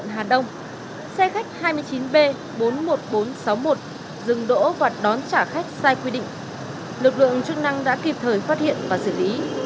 tuyến phố quang trung thuộc địa phận quận hà đông xe khách hai mươi chín b bốn mươi một nghìn bốn trăm sáu mươi một dừng đỗ hoặc đón trả khách sai quy định lực lượng chức năng đã kịp thời phát hiện và xử lý